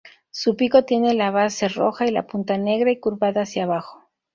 Su pico tiene la base roja y la punta negra y curvada hacia abajo.